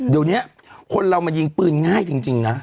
เดี๋ยวนี้คนเรามันยิงปืนง่ายจริงนะ